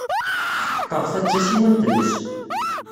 Tḥeqqeɣ ta d tasiwant-nnes.